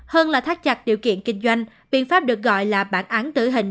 hơn là thắt chặt điều kiện kinh doanh biện pháp được gọi là bản án tử hình